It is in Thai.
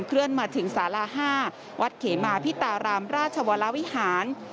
เคลื่อนมาถึงสารา๕วัดเขมาพิตารามราชวรวิหาร